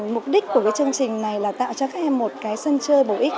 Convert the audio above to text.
mục đích của chương trình này là tạo cho các em một sân chơi bổ ích